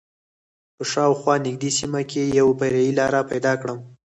په شا او خوا نږدې سیمه کې یوه فرعي لاره پیدا کړم.